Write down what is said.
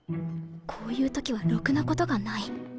こういう時はろくなことがない